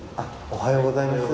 おはようございます。